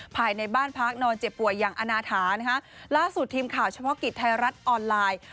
ภายในบ้านพักนอนเจ็บป่วยอย่างอนาถานะคะล่าสุดทีมข่าวเฉพาะกิจไทยรัฐออนไลน์